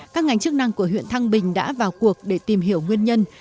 các ngành chức năng của huyện thăng bình đã vào cuộc để tìm hiểu nguyên nhân